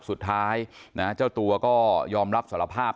สุดท้ายนะเจ้าตัวก็ยอมรับสารภาพ